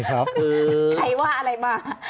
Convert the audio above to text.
ใครว่าอะไรมา